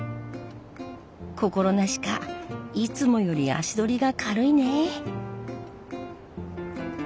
心なしかいつもより足取りが軽いね。